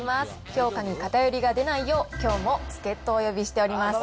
評価に偏りが出ないよう、きょうも助っ人をお呼びしております。